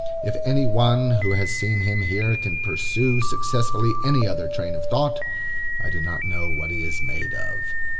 If any one who has seen him here can pursue successfully any other train of thought, I do not know what he is made of.